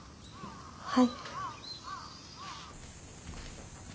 はい。